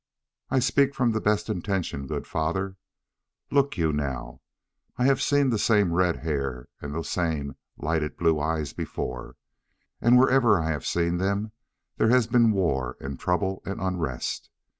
"I speak from the best intention, good father. Look you, now, I have seen that same red hair and those same lighted blue eyes before, and wherever I have seen them has been war and trouble and unrest.